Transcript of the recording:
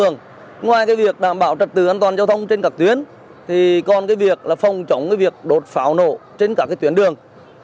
ngoài việc đảm bảo trật tự an toàn giao thông trên các tuyến còn việc phòng chống việc đột pháo nổ trên các tuyến đường